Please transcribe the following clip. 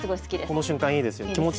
この瞬間、いいですね。